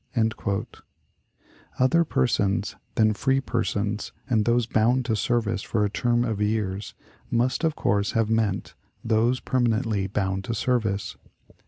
"Other persons" than "free persons" and those "bound to service for a term of years" must, of course, have meant those permanently bound to service.